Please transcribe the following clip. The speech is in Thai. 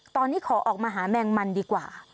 ตอนนี้ขอออกมาหาแมงมันดีกว่า